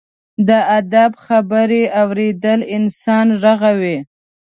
د ادب خبرې اورېدل انسان رغوي.